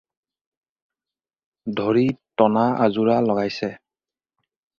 ধৰি টনা আজোৰা লগাইছে।